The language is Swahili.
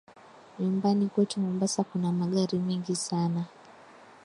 Nyumbani kwetu Mombasa kuna magari mengi sana.